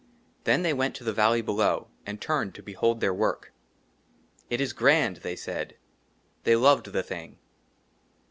THEN THEY WENT TO THE VALLEY BELOW, AND TURNED TO BEHOLD THEIR WORK. IT IS GRAND," THEY SAID ; THEY LOVED THE THING.